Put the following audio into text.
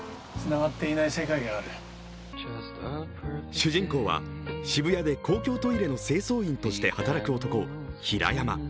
主人公は、渋谷で公共トイレの清掃員として働く男・平山。